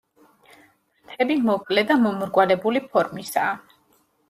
ფრთები მოკლე და მომრგვალებული ფორმისაა.